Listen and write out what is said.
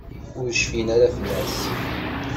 Ur cfin ara fell-as.